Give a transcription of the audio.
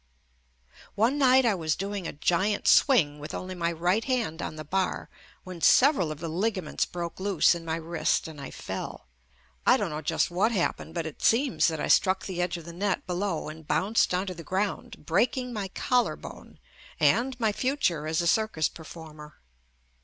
One night I was doing a giant swing with only my right hand on the bar when several of the ligaments broke loose in my wrist and I fell. I don't know just what happened, but it seems that I struck the edge of the net be low and bounced onto the ground, breaking my collar bone and my future as a circus per former.